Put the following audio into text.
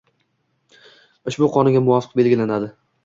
ushbu Qonunga muvofiq belgilanadi.